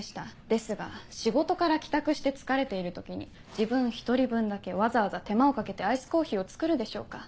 ですが仕事から帰宅して疲れている時に自分１人分だけわざわざ手間をかけてアイスコーヒーを作るでしょうか？